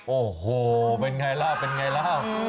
โอ้โหเป็นไงแล้วเป็นไงแล้ว